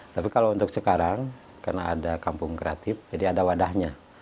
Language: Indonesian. tapi kalau untuk sekarang karena ada kampung kreatif jadi ada wadahnya